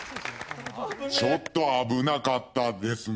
ちょっと危なかったですな。